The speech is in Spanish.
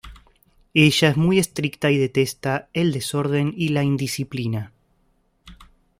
Ella es muy estricta y detesta el desorden y la indisciplina.